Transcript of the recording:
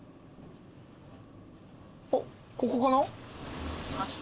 あっここかな？